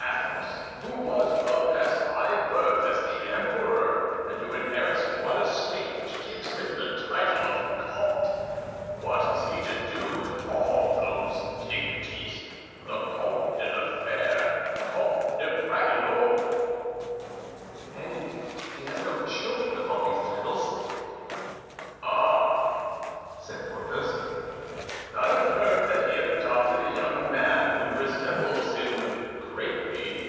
Athos, who was of as high birth as the emperor and who inherits one estate which gives him the title of comte, what is he to do with all those dignities—the Comte de la Fere, Comte de Bragelonne?" "And he has no children with all these titles?" "Ah!" said Porthos, "I have heard that he had adopted a young man who resembles him greatly."